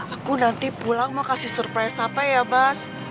aku nanti pulang mau kasih surprise apa ya mas